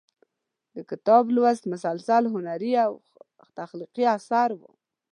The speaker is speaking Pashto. د کتاب لوست مسلسل هنري او تخلیقي اثر و.